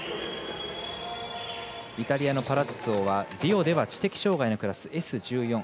イタリアのパラッツォはリオでは知的障がいのクラスＳ１４。